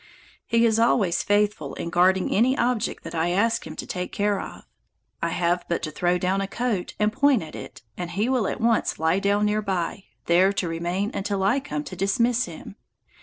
He is always faithful in guarding any object that I ask him to take care of. I have but to throw down a coat and point at it, and he will at once lie down near by, there to remain until I come to dismiss him.